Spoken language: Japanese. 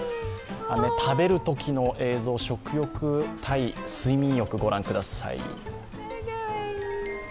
食べるときの映像、食欲対睡眠欲、ご覧ください。